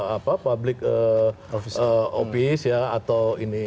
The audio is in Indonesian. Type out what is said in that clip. apa public office ya atau ini